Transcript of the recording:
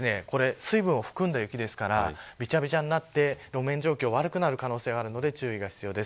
水分を含んだ雪ですからびちゃびちゃになって路面状況が悪くなる可能性もあるので注意が必要です。